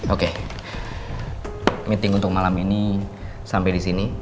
oke meeting untuk malam ini sampai di sini